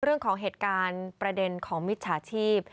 เรื่องของเหตุการณ์ประเด็นของมิจฉาชีพ